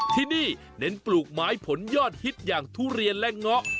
ที่นี่เน้นปลูกไม้ผลยอดฮิตอย่างทุเรียนและเงาะ